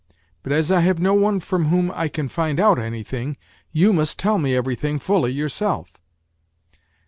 But as I have no one from whom I can find out anything, you must tell me everything fully your self.